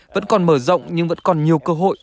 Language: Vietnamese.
vẫn còn mở rộng nhưng vẫn còn nhiều cơ hội